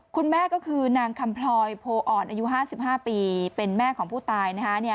คุณแม่ก็คือนางคำพลอยโพอ่อนอายุห้าสิบห้าปีเป็นแม่ของผู้ตายนะฮะเนี่ย